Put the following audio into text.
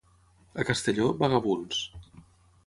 A Castelló, vagabunds.